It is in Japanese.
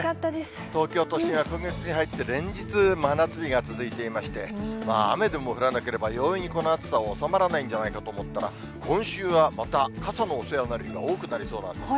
東京都心は今月に入って、連日真夏日が続いていまして、雨でも降らなければ容易にこの暑さは収まらないんじゃないかと思ったら、今週はまた、傘のお世話になる日が多くなりそうなんです。